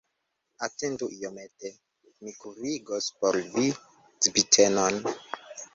Atendu iomete, mi kuirigos por vi zbitenon!